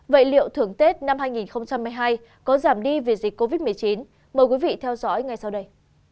vậy liệu thưởng tết năm hai nghìn hai mươi hai có giảm đi vì dịch covid một mươi chín mời quý vị theo dõi ngay sau đây